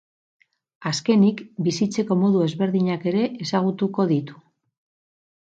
Azkenik, bizitzeko modu ezberdinak ere ezagutuko ditu.